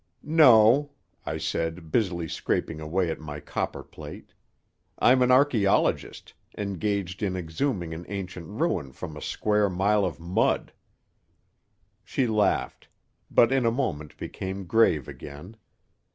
"No," I said, busily scraping away at my copperplate. "I'm an archeologist, engaged in exhuming an ancient ruin from a square mile of mud." She laughed; but in a moment became grave again.